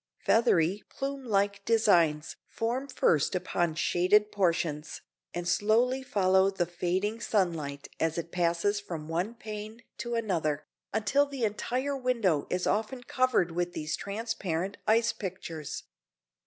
Feathery plume like designs form first upon shaded portions, and slowly follow the fading sunlight as it passes from one pane to another, until the entire window is often covered with these transparent ice pictures.